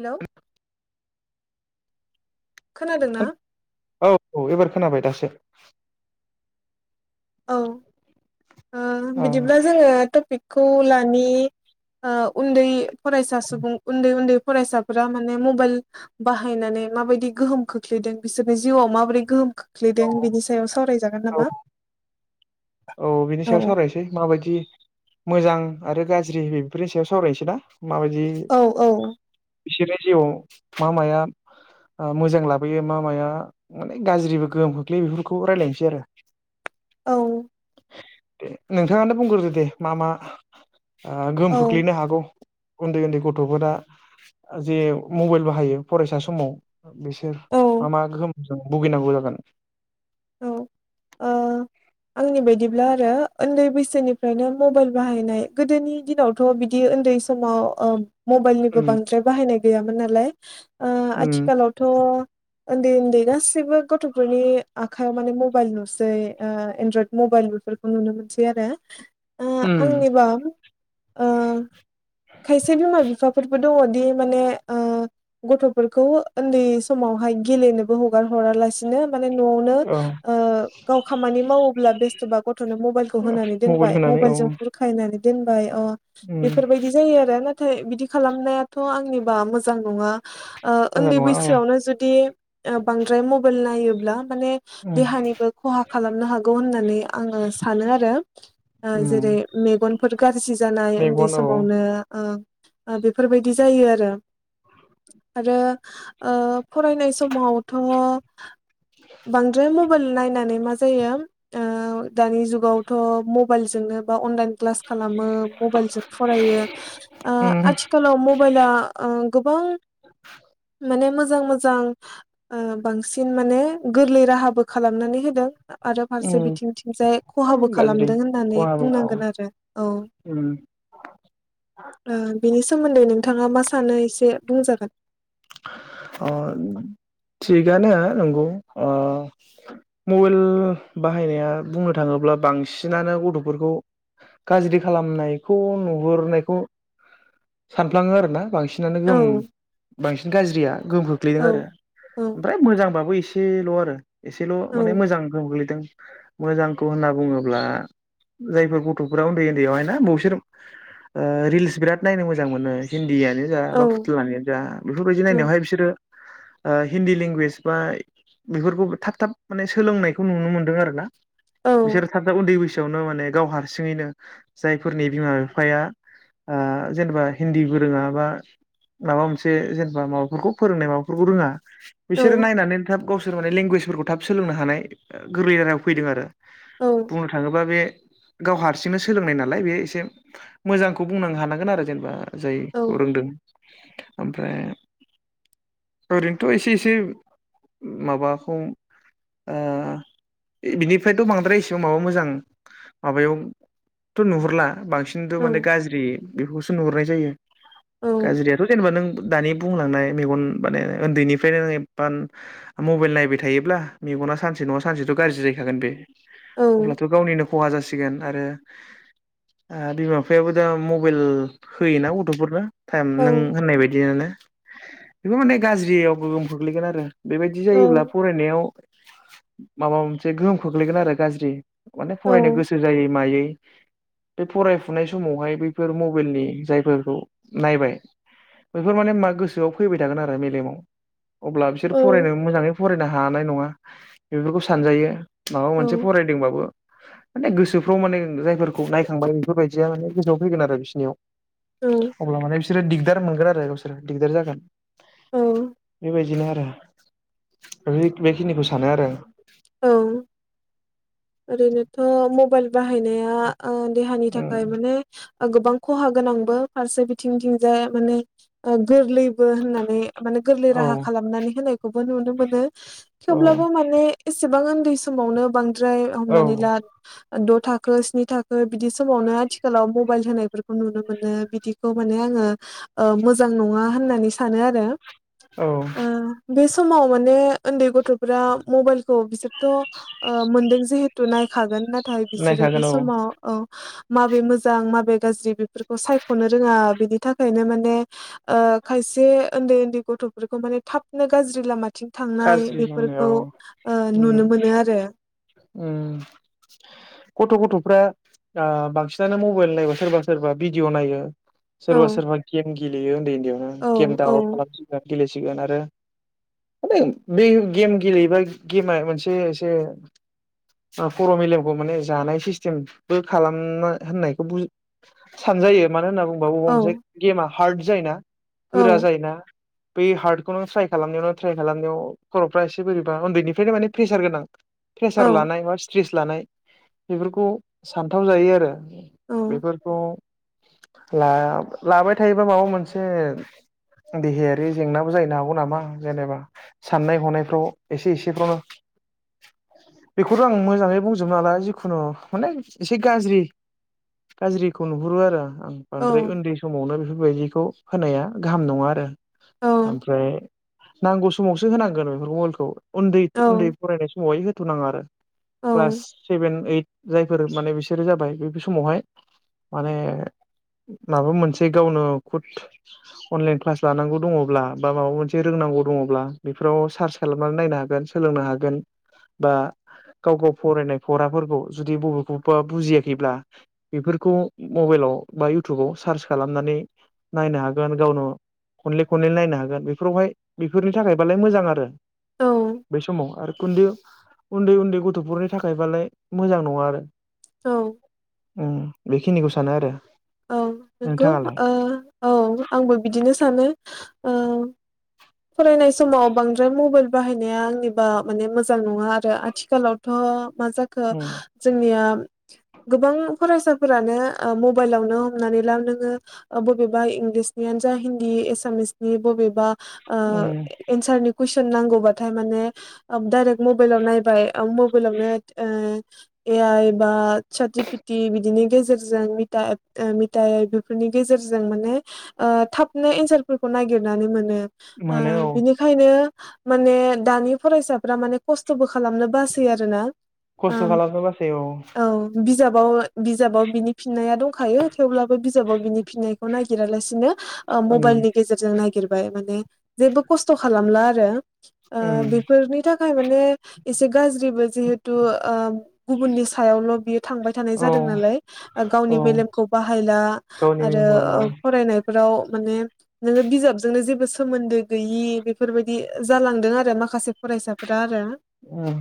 हेल' औ औ एबार खोनाबाय दासो औ बिदिब्ला जोंङो टपिक खौ लानि उन्दै फरायसा सुबुं उन्दै उन्दै फरायसाफोरा माने मबाइल बाहायनानै माबायदि गोहोम खोख्लैदों बिसोरनि जिउआव माबोरैदि गोहोम खोख्लैदों ओ बिनि सायाव सावरायजागोन औ नामा। औ बिनि सायाव सावरायनोसै माबायदि मोजां आरो गाज्रि बेफोरनि सायाव सावरायसै ना। माबायदि औ बिसोरो जिउआव मा माया मोजां लाबोयो मा माया माने गाज्रिबो गोहोम खोख्लैयो बेफोरखौ रायलायसै आरो [inaudible] दे नोंथाङानो बुंग्रोदो दे मा मा। गोहोम औ खोख्लैनो हागौ। उन्दै उन्दै गथ'फोरा जे मबाइल बाहायो फरायसा समाव। बिसोर औ मा मा गोहोम भुगिनांगौ जागोन। औ ओ आंनि ओ बायदिब्ला आरो उन्दै बैसोनिफ्रायनो मबाइल बाहायनाय गोदोनि दिनावथ' बिदि उन्दै समाव ओ मबाइलनिबो उम बांद्राय बाहायनाय गैयामोन नालाय। ओ उम आथिखालावथ' उन्दै उन्दै गासैबो गथ'फोरनि आखाइयाव माने मबाइल नुसै एनड्रयड मबाइल बेफोरखौ नुनो मोनसै आरो आ उम आंनि बा ओ खायसे बिमा बिफाफोरबो दङदि माने ओ गथ'फोरखौ उन्दै समावहाय गेलेनोबो हगार हरालासिनो माने न'आवनो औ गाव खामानि माव ब्ला बेस्थबा गथ गथ'नो मबाइलखौ होनानै मबाइल दोनबाय होनानै औ मबाइलजों बुरखायनानै दोनबाय अ उम बेफोरबायदि जायो आरो ना। नाथाय बिदि खालामनायाथ' आंनिबा मोजां नङा। ओ मोजां उन्दै नङा औ बैसोआवनो जुदि बांद्राय मबाइल नायो ब्ला माने देहानिबो खहा खालामनो हागौ होनना नानै आङो सानो आरो । उम जेरै मेगन फोर गाज खुसि जानाय उन्दै मेगन औ समावनो ओ बेफोरबायदि जायो आरो आरो ओ फरायनाय समावथ' बांद्राय म बाइल नायनानै मा जायो दानि जुगावथ' मबाइलजोंनो बा अनलाइन क्लास खालामो मबाइलजों फरायो ओ उम आथिखालाव मबाइलआ ओ गोबां माने मोजां मोजां ओ बांसिन माने गोरलै राहाबो खालामनानै होदों। आरो फारसे बिथिंथिंजाय उम खहाबो गाज्रि खालामदों होननानै खहाबो औ बुंनांगोन आरो ओ उम बेनि सोमोन्दै नों थाङा मा सानो एसे बुंजागोन। ओ थिगानो नंगौ ओ मबाइल बाहायनाया बुंनो थाङोब्ला बांसिनानो गथ'फोरखौ गाज्रि खालामनायखौ नुहुरनायखौ सानफ्लाङो आरोना बां सिनानो औ गोम बांसिन गाज्रिया गोहोम खोख्लैदों औ आरो औ ओमफ्राय मोजांबाबो एसेल' आरो। एसेल' औ माने मोजां गोहोम खोख्लै दों मोजांखौ होनना बुङोब्ला जायफोर गथ'फोरा उन्दै उन्दैयावहायना बेवसोर ओ रिलस बिरात नायनो मोजां मोनो हिन दियानो जा औ बा फुथलायानो जा फोरबायदि नायनायावहाय बिसोरो ओ हिन्दी लेंगुवेज बा बेफोरखौबो थाब थाब माने सोलोंनायखौ नुनो मोनदों आरो ना। औ बिसोर थाब थाब उन्दै बैसोआवनो माने गावहार सिङैनो जायफोरनि बिमा बिफाया ओ जेनेबा हिन्दीबो रोङा बा माबा मोनसे से जेनेबा माबाफोरखौ फोरोंनाय माबाफोरखौ रोङा। औ बिसोर नायनानै थाब गावसोर माने लेंगुवेज फोरखौ थाब सोलोंनो हानाय गोरलै राव फैदों आरो। औ बुंनो थाङोबा बे गाव हारसिंनो सोलोंनाय नालाय बे एसे मोजांखौ बुंनो हानांगोन आरो जेनेबा औ जायखौ रोंदों। ओमफ्राय ओरैनोथ' एसे एसे माबाखौ ओ बिनिफ्रायथ' बांद्राय एसेबां माबा मोजां माबायाव थ' नुहुरला। बांसिनथ' औ माने गाज्रि बेखौसो नुहरनाय जायो। औ गाज्रियाथ' जेनेबा नों दानि बुंलांनाय मेगन माने उन्दैनिफ्रायनो एबा मबाइल नायबाय थायोब्ला मेगना सानसे नङा सानसेथ' गाज्रि जाहैखागोन बे। अब्लाथ' गावनिनो खहा जासि गोन आरो आ बिमा बिफायाबो दा मबेइल होयोना गथ'फोरनो टाइम नों होन्नाय बा दियानो बेफोर माने गाज्रियाव गोगोम खोख्लैगोन आरो। बेबायदि जायोब्ला फरायनायाव माबा मोनसे गोहोम खोख्लैगोन आरो गाज्रि। माने औ फरायनो गोसो जायै मायै बे फरायफुनाय समावहाय बैफोर मबाइलनि जायफोरखौ नायबाय बेफोर माने मा गोसोआव फैबाय थागोन आरो मेलेमाव अब्ला बिसोर फरायनो मोजाङै फरायनो हानाय नङा बेफोरखौ सानजायो। माबा मोनसे फरायदोंबाबो माने गोसोफ्राव माने जायफोरखौ नायखांबाय बेफोरबायदियानो गोसोआव फैगोन आरो बिसिनियाव अब्ला माने बिसोरो दिगदार मो गावसोरा दिगदार जागोन औ बेबायदिनो आरो बेखिनिखौ सानो आरो औ ओ मबेल बाहायनाया ओ देहानि आं। थाखाय माने गोबां खहा गोनांबो फारसे बिथिंथिंजाय माने ओ गोरलैबो होननानै माने गोरलै औ राहा खालामनानै होनायखौबो नुनो मोनो औ थेवब्लाबो माने गोबां उन्दै समावनो बां द्राय औ हमनानै ला द' थाखो स्नि थाखो बिदि समावनो आथिखालाव मबाइल होनायफोरखौ नुनो मोनो बिदिखौ माने आङो ओ मोजां नङा होननानै सानो आरो औ माव माने उन्दै गथ'फ्रा मबाइल खौ बिसोर थ ओ मोनदों जिहे थु नायखागोन ना थाय बिसोरो बे नायखागोन औ समाव औ माबे मोजां माबे गाज्रि बेफोरखौ सायखनो रोङा बेनि थाखायनो माने ओ खायसे उन्दै उन्दै गथ'फोरखौ माने थाबनो गाज्रि लामा थिं थांनाय गाज्रि बेफोरखौ होननायाव ओ उम नुनो मोनो आरो उम गथ' गथ'फ्रा आ बांसिनानो मबाइल नायोबा सोरबा सोरबा भिडिअ नायो। औ सोरबा सोरबा गेम गेलेयो उन्दै बेवनो गेम औ डाउनलड औ खालामसिगोन गेलेसिगोन आरो माने बे गेम गेलेयोबा गेमा मोनसे एसे ओ खर मेलेमखौ माने जानाय सिस्टेमबो खालामना होननायखौबो सानजायो मानो होनना औ बु [unintelligible] गेमा हार्द जायना। गोरा जायोना। बै हार्दखौ नों ट्राइ खालामनायावनो। ट्राइ खालामनायाव खरफ्रा एसे बोरैबा उन्दैनिफ्रायनो माने प्रेसार गोनां। औ प्रेसार लानाय बा स्ट्रेस। लानाय बेफोरखौ सानथाव जायो आरो। बेफोरखौ। लाबाय थायोबा माबा मोनसे देहायारि जेंनाबो जाहैनो हागौ नामा। जेनेबा साननाय हनायफ्राव एसे एसेफ्रावनो बेखौथ' आं मोजाङै बुंजोबनो हाला जिखुनु माने एसे गाज्रि गाज्रिखौ नुहुरो आरो। आं औ बांद्राय उन्दै समावनो बे बेबायदिखौ होनाया गाहाम नङा आरो। औ ओमफ्राय। नांगौ समावसो होनांगोन बेफोरखौ मबाइलखौ। उन्दै उन्दै फरायनाय समावहाय होथ'नाङा आरो क्लास औ सेभेन, ओइद। जायफोर माने बिसोरो जाबाय बे समावहाय माने माबा मोनसे गावनो खुद अनलाइन क्लास लानांगौ दङब्ला बा माबा मोनसे। रोंनांगौ दङब्ला बेफोराव सार्च खालामनानै नायनो हागोन सोलोंनो हागोन बा गाव गाव फरायनाय फराफोरखौ जुदि बबेखौबा बुजियाखैब्ला बेफोरखौ मबाइलाव बा इउटुबाव सार्च खालामनानै नायनो हागोन गावनो खनले खनले नायनो हागोन बे बेफोरावहाय बेफोरनि थाखायबालाय मोजां आरो औ बे समाव आरो उन्दै उन्दै उन्दै गथ'फोरनि थाखायबालाय मोजां नङा आरो। औ। बेखिनिखौ सानो आरो। औ नंगौ नोंथाङालाय औ आंबो बिदिनो। सानो ओ फरायनाय समाव बांद्राय मबाइल बाहायनाया आंनिबा माने मोजां नङा आरो आथिखालावथ' मा जाखो उम जोंनिया। गोबां फरायसाफोरानो मबाइलावनो हमनानै ला नोङो बबेबा इंलिसनियानो जा हिन्दी एसामिसनि बबेबा उम एन्सारनि कुइसन नांगौबा। नाथाय माने डाइरेक्ट मबाइलाव नायबाय मबाइलावनो ए आइ बा सार जिपिटि बिदिनि गेजेरजों मिथा मिथा एप बेफोरनि गेजेरजों माने थाबनो एन्सारफोरखौ नागिरनानै मोनो। ओ मोनो औ बिनिखायनो। माने दानि फरायसाफ्रा माने खस्थ'बो खालामनो बासै आरो ना। खस्थ' खालामनो बासै औ। बिजाबाव बिजाबाव बिनि फिननाय आरो दंखायो थेवब्लाबो। बिजाबाआव बिनि फिननायखौ नागिरालासिनो उम मबाइलनि गेजेरजों नागिर माने। जेबो खस्थ' खालामला आरो। उम बेफोरनि थाखाय माने एसे गाज्रिबो जिहेथु गुबुननि सायावल' बियो थांबाय थानाय औ जादों नालाय औ गावनि मेलेमखौ बाहायला गावनि आरो मुंखौ फरायनाय फोराव माने नोङो बिजाबजोंनो जेबो सोमोन्दो गैयि बेफोरबायदि जालांदों आरो माखासे फरायसाफोरा। उम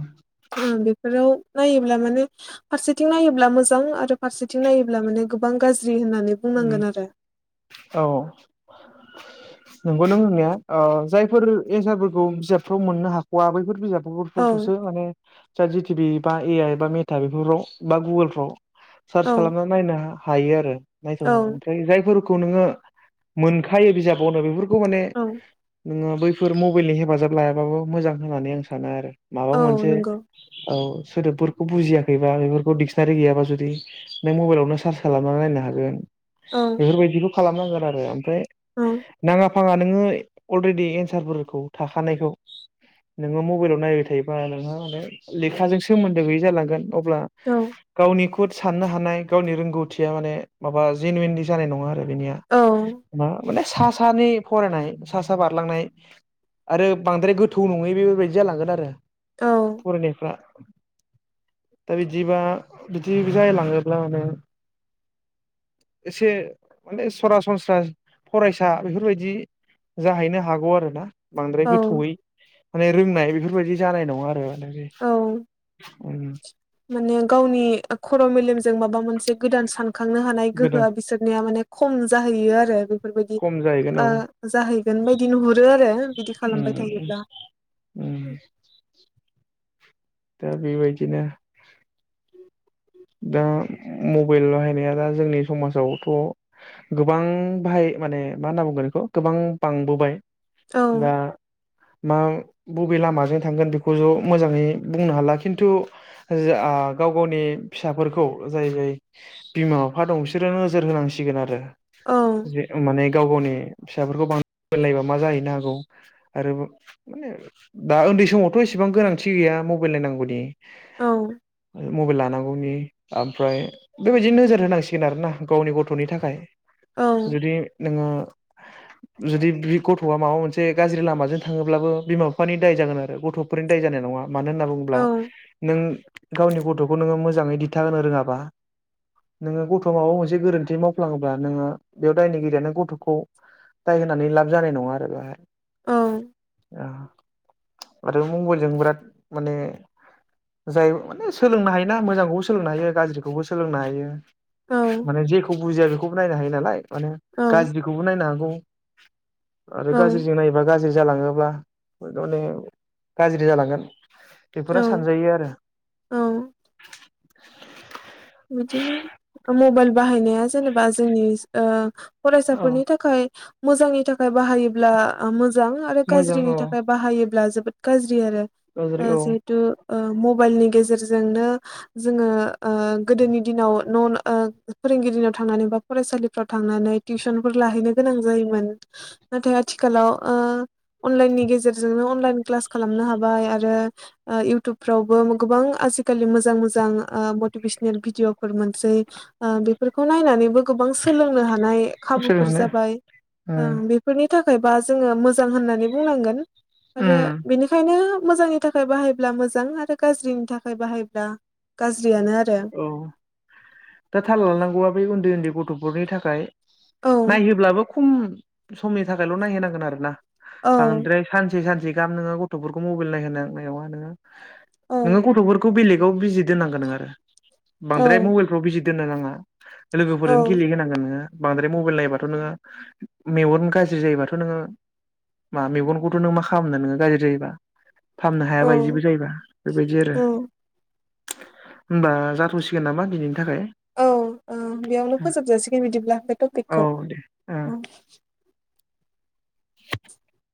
बेफोराव नायोब्ला माने फारसेथिं नायोब्ला मोजां आरो फारसेथिं नायोब्ला माने गोबां गाज्रि। होननानै उम बुंनांगोन आरो। औ नंगौ नों होननाया ओ जायफोर एसारफोरखौ बिजाबफ्राव मोननो हाख'वा बैफोर बिजाब औ महरफोरखौसो माने जानजि टिभि बा ए आइ बा मेथा बेफोरफ्राव बा गुगोलफ्राव सार्च औ खालामना नायना हायो आरो नायथ औ ओमफ्राय जायफोर खौ नोङो मोनखायो बिजाबावनो बेफोर खौ माने औ नोङो बैफोर मबाइलनि हेफाजाब लायाबाबो मोजां होननानै आं सानो आरो माबा औ मोनसे नंगौ औ। सोदोबफोरखौ बुजियाखैबा बेफोरखौ डिक्सनारि गैयाबा जुदि नों मबाइलावनो सार्च खालामनानै नायनो हागोन। औ बेफोरबायदिखौ खालामनांगोन आरो ओमफ्राय औ नाङा फाङा नोङो अलरेडि एन्सारफोरखौ थाखानायखौ नोङो मबाइलाव नायबाय थायोबा नोंहा माने लेखाजों सोमोन्दो गैयि जालांगोन। अब्ला औ गावनि खुफुद साननो हानाय गावनि रोंगौथिया माने माबा जेन वनदि जानाय नङा आरो बेनिया औ मा माने सा सानि फरायनाय सा सा बारलांनाय आरो बांद्राय गोथौ नङै बेफोरबायाददि जालांगोन आरो औ फरायनायफ्रा दा बिदिबा बिदि जालाङोब्ला माने एसे माने सरासनस्रा फरायसा बेफोरबायदि जाहैनो हागौ आरो ना बांद्राय औ गोथौयै माने रोंनाय बेफोरबायदि जानाय नङा आरो माने औ उम माने गावनि खर' मेललिम जों माबा मोनसे गोदान सानखांनो हानाय गोदा गोहोआ बिसोरनिया माने खम जाहैयो आरो बेफोरबायदि खम जाहैगोन औ ओ जाहै बेबायायदि नुहरो आरो बिदि खालामबाय उम थायोब्ला उम औ उम उम दा बेबायदिनो दा मबाइल बाहायनाया दा जोंनि समाजावथ' गोबां बाहाय माने मा होनना बुंगोन बेखौ गोबां बांबोबाय औ दा मा बबे लामाजों थांगोन बेखौ ज' मोजाङै बुंनो हाला खिन्थु ओ जा गाव गावनि फिसाफोरखौ जाय जाय बिमा बिफा दं बिसोरो नोजोर होनांसिगोन आरो औ जे माने गाव गावनि फिसाफोरखौ बां नायबा मा जाहैनो हागौ आरो माने दा उन्दै समावथ' एसेबां गोनांथि गैया मब अबाइलनाय नांगौनि ओ मबेल लानां गौनि ओमफ्राय बेबायदि नोजोर होनांसिगोन आरो ना गावनि गथ'नि थाखाय औ जुदि नोङो जुदि बे गथ'आ माबा मोनसे गाज्रि लामाजों थाङोब्लाबो बिमा बिफानि दाय जागोन आरो गथ'फोरनि दाय जानाय नङा मानो हो नोब्ला औ नों गावनि गथ'खौ नोङो मोजाङै दिथााहोनो रोङाबा नोङो गथ' माबा मोनसे गोरोन्थि मावफ्लाङोब्ला नोङो बेयाव दायनिगिरियानो गथ'खौ दाय होनानै लाब जानाय नङा आरो बेहाय। औ आ आरो मबाइलजों बिराद माने जाय माने सोलोंनो हायोना मोजांखौबो सोलोंनो हायो गाज्रिखौबो सोलोंनो हायो। औ माने जेखौ बुजिया बेखौबो नायनो हायो। नालाय माने औ गाज्रिखौबो नायनो हागौ आरो औ गाज्रि जों नायोबा गा ज्रि जालाङोब्ला माने गाज्रि जालांगोन। औ बेफोरा सानजायो आरो औ बिदिनो मबाइल बाहायनाया जेनेबा जोंनि ओ औ फरायसाफोरनि थाखाय मोजांनि थाखाय बाहायोब्ला ओ मोज जां आरो मोजां गाज्रिनि औ थाखाय बाहायोब्ला जोब द गाज्रि ज्रि आरो गाज्रि ओ औ जेहेतु ओ म बाइलनि गेजेरजोंनो जोङो ओ गोदोनि दिनाव न' ओ फोरोंगिरिनाव थांनानै बा फरायसालिफ्राव थांनानै टिउसनफोर लाहैनो गोनां जायोमोन नाथाय आथिखालाव ओ अनलाइननि गेजेरजोंनो अनलाइन क्लास खालामनो हाबाय आरो ओ इउटुबफ्रावबो गोबां आजिखालि मोजां मोजां ओ मटिभे सन भिदिअफोर मोनसै। ओ बेफोरखौ नायनानैबो गोबां सोलोंनो हानाय सोर खाबुफोर होनो जाबाय ओ बेफोरनि था खायबा जोङो मोजां होननानै बुंनांगोन। आरो बेनिखायनो मोजांनि थाखाय बाहायोब्ला मोजां आरो गाज्रिनि थाखाय बाहायब्ला गाज्रियानो आरो औ दा थाल लानांगौआ बे उन्दै उन्दै गथ'फोरनि थाखाय औ नायहोब्लाबो खम समनि थाखायल' नायहैनांगोन आरो ना औ बांद्राय सानसे सानसे गाम नोङो गथ'फोरखौ मबाइल नायहोनाय नायावहा नोङो औ नोङो गथ'फोरखौ बेलेग बेखौ बिजि दोननांगोन नों आरो औ बांद्राय मबेलफ्राव बिजि दोननो नाङा औ लोगोफोरजों गेलेहोनांगोन नोङो बांद्राय मबाइल नायोबाथ नोङो मेगन गाज्रि जायोबाथ नोङो मा मेगनखौथ नों मा खालामनो नोङो गाज्रि जायोबा फाहामनो हायाबादिबो औ जायोबा बेबायदि आरो औ बास जाथसिगोन नामा दिनैनि औ औ बेयावनो फोजोबजासिगोन बिदिब्ला बे औ टपिकखौ दे ओं औ